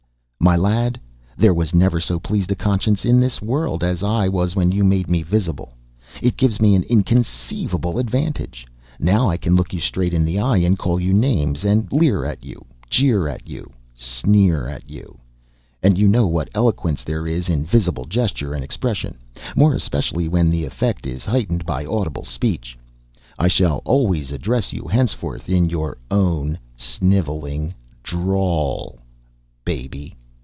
"My lad, there was never so pleased a conscience in this world as I was when you made me visible. It gives me an inconceivable advantage. Now I can look you straight in the eye, and call you names, and leer at you, jeer at you, sneer at you; and you know what eloquence there is in visible gesture and expression, more especially when the effect is heightened by audible speech. I shall always address you henceforth in your o w n s n i v e l i n g d r a w l baby!"